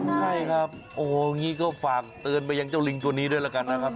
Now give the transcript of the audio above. ใช่ครับโอ้โหอย่างนี้ก็ฝากเตือนไปยังเจ้าลิงตัวนี้ด้วยแล้วกันนะครับ